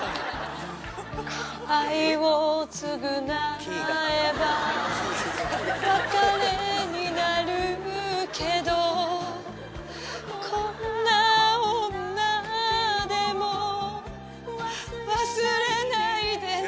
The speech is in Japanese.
愛をつぐなえば別れになるけどこんな女でも忘れないでね